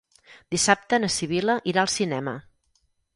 Dissabte na Sibil·la irà al cinema.